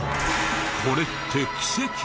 これって奇跡？